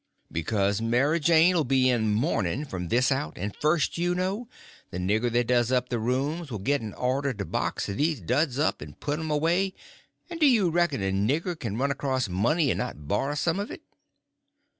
"Because Mary Jane 'll be in mourning from this out; and first you know the nigger that does up the rooms will get an order to box these duds up and put 'em away; and do you reckon a nigger can run across money and not borrow some of it?"